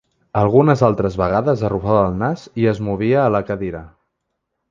Algunes altres vegades arrufava al nas i es movia a la cadira.